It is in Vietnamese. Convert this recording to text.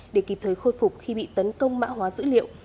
để kịp thời khôi phục khi bị tấn công mã hóa dữ liệu